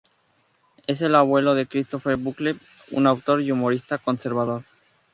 Es el abuelo de Christopher Buckley, un autor y humorista conservador.